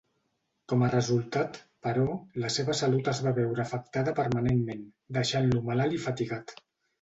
Com a resultat, però, la seva salut es va veure afectada permanentment, deixant-lo malalt i fatigat.